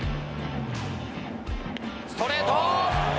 ストレート。